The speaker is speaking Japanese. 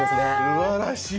すばらしい！